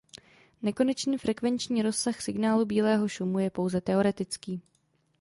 Nekonečný frekvenční rozsah signálu bílého šumu je pouze teoretický.